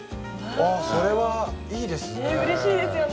それはいいですね。